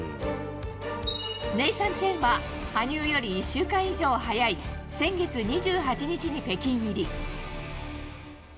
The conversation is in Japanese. ネイサン・チェンは羽生より１週間以上早い先月２８日に北京入り。